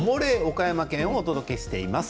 岡山県をお届けしています。